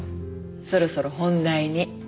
そろそろ本題に。